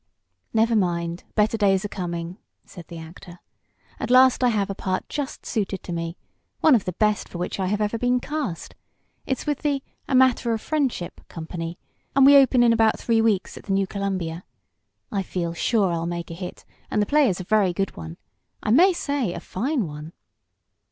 "Never mind, better days are coming," said the actor. "At last I have a part just suited to me one of the best for which I have ever been cast. It's with the 'A Matter of Friendship' company, and we open in about three weeks at the New Columbia. I feel sure I'll make a hit, and the play is a very good one I may say a fine one."